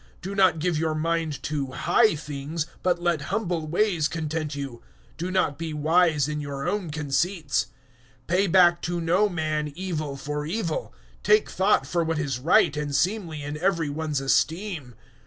Do not give your mind to high things, but let humble ways content you. Do not be wise in your own conceits. 012:017 Pay back to no man evil for evil. Take thought for what is right and seemly in every one's esteem.